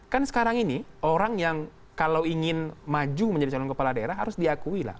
kan sekarang ini orang yang kalau ingin maju menjadi calon kepala daerah harus diakui lah